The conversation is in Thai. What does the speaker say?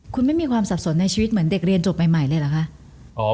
คุณไม่มีความสับสนในชีวิตเหมือนเด็กเรียนจบใหม่เลยเหรอคะ